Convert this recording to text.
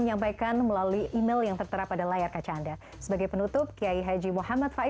gapai kemuliaan akan kembali